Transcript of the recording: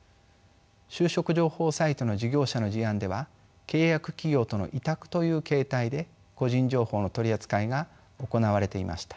就職情報サイトの事業者の事案では契約企業との委託という形態で個人情報の取り扱いが行われていました。